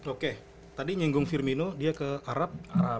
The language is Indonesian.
oke tadi nyinggung firmino dia ke arab